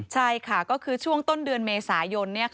ใช่ค่ะก็คือช่วงต้นเดือนเมษายน